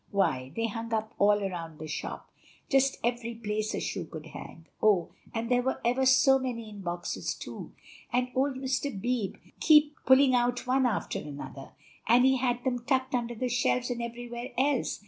Why, they hung up all around the shop, just every place a shoe could hang. Oh! and there were ever so many in boxes too; and old Mr. Beebe keep pulling out one after another, and he had them tucked under the shelves and everywhere else.